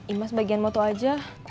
imas bagian moto aja